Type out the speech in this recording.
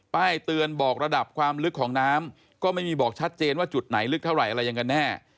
ป้ายเตือนบอกระดับความลึกของน้ำก็ไม่มีบอกชัดเจนว่าจุดไหนลึกเท่าไหร่อะไรยังไงกันแน่